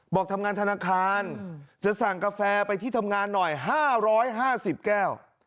บอกทำงานธนาคารจะสั่งกาแฟไปที่ทำงานหน่อย๕๕๐แก้ว